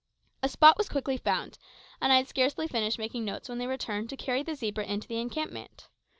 A spot was quickly found, and I had scarcely finished making notes when they returned to carry the zebra into the encampment.